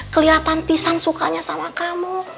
kelihatan pisang sukanya sama kamu